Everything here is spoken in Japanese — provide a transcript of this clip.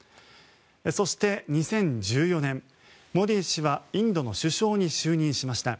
そして、２０１４年モディ氏はインドの首相に就任しました。